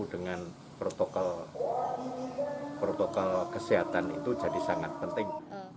dengan protokol kesehatan itu jadi sangat penting